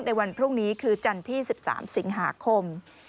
ในวันพรุ่งนี้คือจันทร์ที่๑๓สิงหาคม